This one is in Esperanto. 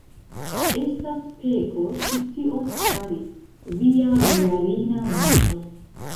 estas peko ĉi tion fari, via bojarina moŝto!